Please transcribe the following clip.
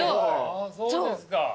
あそうですか。